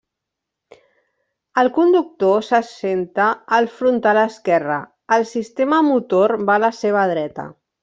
El conductor s'assenta al frontal esquerre, el sistema motor va a la seva dreta.